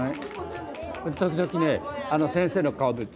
時々ね先生の顔見る。